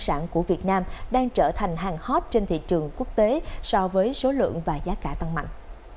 nông sản của việt nam đang trở thành hàng hot trên thị trường quốc tế so với số lượng và giá cả tăng mạnh